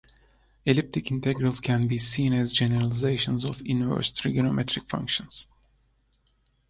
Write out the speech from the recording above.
Elliptic integrals can be seen as generalizations of inverse trigonometric functions.